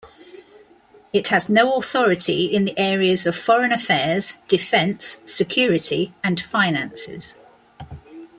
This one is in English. It has no authority in the areas of foreign affairs, defense, security, and finances.